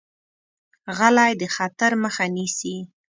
غلی، د خطر مخه نیسي.